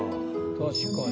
確かに。